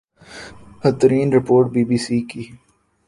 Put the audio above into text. ہترین report B B C کی